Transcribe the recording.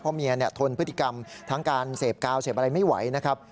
เพราะเมียทนพฤติกรรมทั้งการเสพกาวเสพอะไรไม่ไหวนะครับ